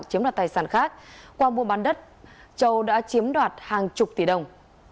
chiếm loạt tài sản khác qua mua bán đất châu đã chiếm loạt hàng chục tỷ đồng